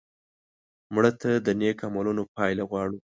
مړه ته د نیک عملونو پایله غواړو